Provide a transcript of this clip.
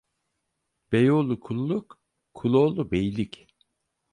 Bey oğlu kulluk, kul oğlu beylik.